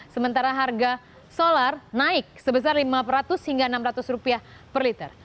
sementara harga solar naik sebesar rp lima ratus hingga rp enam ratus per liter